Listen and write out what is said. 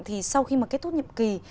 thì sau khi mà kết thúc nhập kỳ